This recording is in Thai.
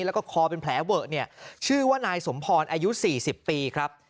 แล้วก็คอเป็นแผลเวอะเนี่ยชื่อว่านายสมพรอายุ๔๐ปีครับ